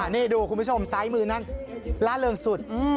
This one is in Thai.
นี่ดูคุณผู้ชมซ้ายมือนั้นล่าเริงสุด